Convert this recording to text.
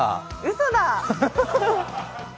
嘘だ。